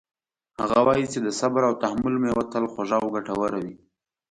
هغه وایي چې د صبر او تحمل میوه تل خوږه او ګټوره وي